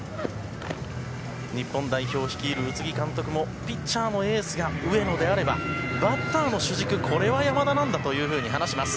日本代表率いる宇津木監督もピッチャーのエースが上野であればバッターの主軸これも山田だと話します。